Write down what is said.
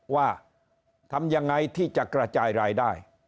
ว่าทำยังไงที่จะกระจายรายได้